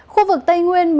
khu vực tây nguyên